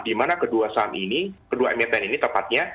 di mana kedua saham ini kedua emiten ini tepatnya